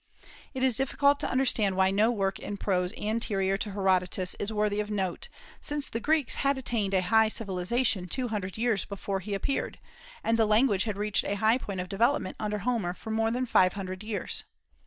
It is difficult to understand why no work in prose anterior to Herodotus is worthy of note, since the Greeks had attained a high civilization two hundred years before he appeared, and the language had reached a high point of development under Homer for more than five hundred years.